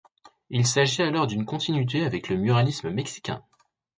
Il s'agit alors d'une continuité avec le muralisme mexicain.